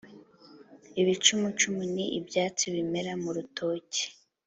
ibicumucumu ni ibyatsi bimera mu rutoki